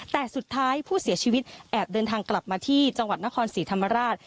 แต่สุดท้ายผู้เสียชีวิตแอบเดินทางกลับมาที่จังหวัดนครศรีธรรมราช